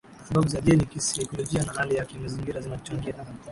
na sababu za jeni kisaikolojia na hali za kimazingira zinazochangia